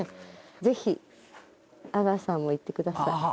ぜひ阿川さんも行ってください。